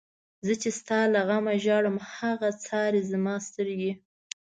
زه چی ستا له غمه ژاړم، هغه څاری زما سترگی